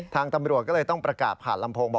ทางตำรวจก็เลยต้องประกาศผ่านลำโพง